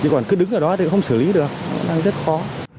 nhưng còn cứ đứng ở đó thì không xử lý được nó đang rất khó